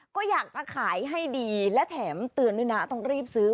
ก็อยากจะขายให้ดีและแถมเตือนด้วยนะต้องรีบซื้อ